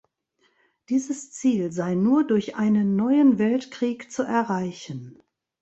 Dieses Ziel sei nur durch einen neuen Weltkrieg zu erreichen.